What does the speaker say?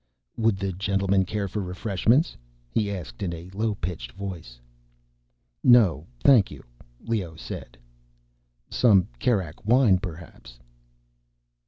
"Would the gentlemen care for refreshments?" he asked in a low pitched voice. "No, thank you," Leoh said. "Some Kerak wine, perhaps?"